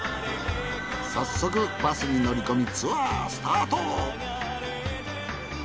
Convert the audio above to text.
早速バスに乗り込みツアースタート。